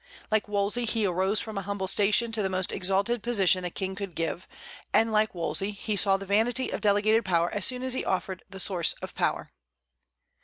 Like Wolsey, he arose from an humble station to the most exalted position the King could give; and, like Wolsey, he saw the vanity of delegated power as soon as he offended the source of power.